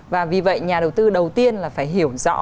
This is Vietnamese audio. và vì vậy nhà đầu tư đầu tiên là phải hiểu rõ